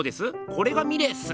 これがミレーっす。